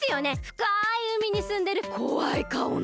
ふかいうみにすんでるこわいかおの！